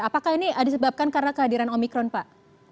apakah ini disebabkan karena kehadiran omikron pak